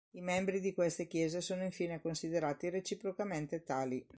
I membri di queste chiese sono infine considerati reciprocamente tali.